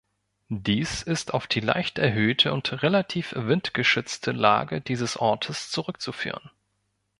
Dies ist auf die leicht erhöhte und relativ windgeschützte Lage dieses Ortes zurückzuführen.